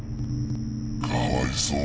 かわいそうだな。